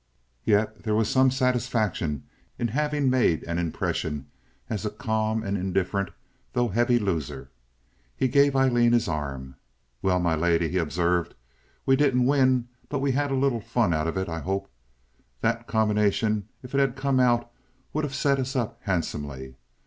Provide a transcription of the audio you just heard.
Yet there was some satisfaction in having made an impression as a calm and indifferent, though heavy loser. He gave Aileen his arm. "Well, my lady," he observed, "we didn't win; but we had a little fun out of it, I hope? That combination, if it had come out, would have set us up handsomely.